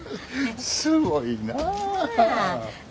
すごいなあ。